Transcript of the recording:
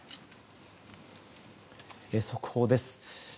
速報です。